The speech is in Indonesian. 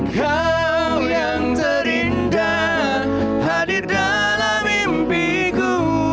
kau yang terindah hadir dalam mimpiku